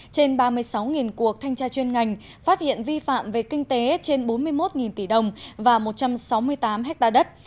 trên ba mươi sáu cuộc thanh tra chuyên ngành phát hiện vi phạm về kinh tế trên bốn mươi một tỷ đồng và một trăm sáu mươi tám ha đất